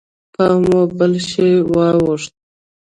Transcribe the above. پام مو په بل شي واوښت.